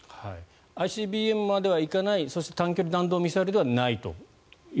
ＩＣＢＭまではいかないそして短距離弾道ミサイルではないと。